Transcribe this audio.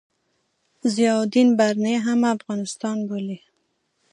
ضیاألدین برني هم افغانستان بولي.